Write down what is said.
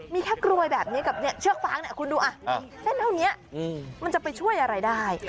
มีแค่กรวยแบบนี้กับเชือกฟ้างคุณดูเส้นเท่านี้มันจะไปช่วยอะไรได้